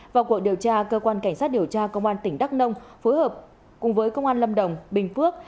vào cuộc điều tra cơ quan cảnh sát điều tra công an tỉnh đắk nông phối hợp cùng với công an lâm đồng bình phước